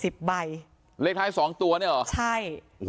๕๔๐ใบเลขท้าย๒ตัวเนี่ยเหรอใช่